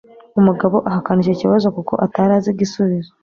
Umugabo ahakana icyo kibazo kuko atarazi igisubizo